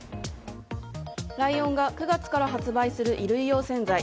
ライオンが９月から発売する衣類用洗剤。